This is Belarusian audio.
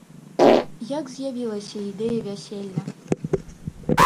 Як з'явілася ідэя вяселля?